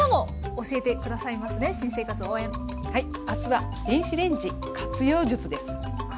明日は「電子レンジ活用術」です。